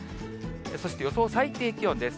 そして予想最低気温です。